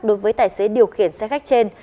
đối với tài xế điều khiển xe khách trên